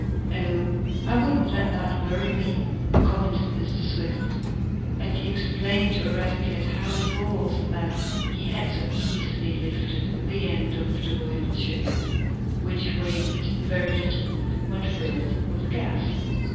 "Oh, I wouldn't let that worry me," commented Mr. Swift, and he explained to Eradicate how it was that he had so easily lifted the end of the buoyant ship, which weighed very little when filled with gas.